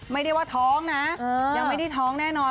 ไม่ได้ว่าท้องนะยังไม่ได้ท้องแน่นอน